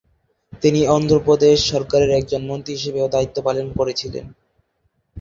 তিনি অন্ধ্রপ্রদেশ সরকারের একজন মন্ত্রী হিসেবেও দায়িত্ব পালন করেছিলেন।